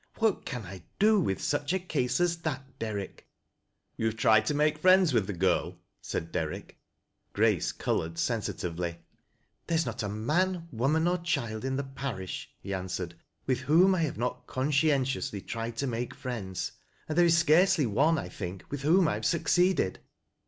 What can I do with such a case as that. Derrick?" " Y , a have tried to make friends with the girl ?" said Derrick. Grace colored sensitively. " There is not a man, woman or child in the parish," he answered, "with whom I have not conscientiously tnod to make friends, and there is scarcely one, 1 think, with whom I have s.iccecded.